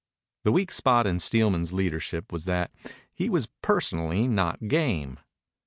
The weak spot in Steelman's leadership was that he was personally not game.